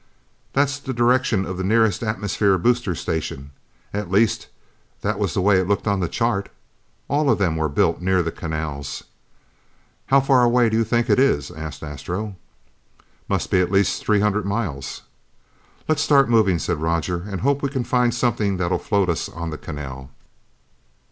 "That's the direction of the nearest atmosphere booster station. At least that was the way it looked on the chart. All of them were built near the canals." "How far away do you think it is?" asked Astro. "Must be at least three hundred miles." "Let's start moving," said Roger, "and hope we can find something that'll float us on the canal."